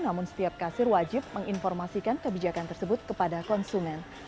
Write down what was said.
namun setiap kasir wajib menginformasikan kebijakan tersebut kepada konsumen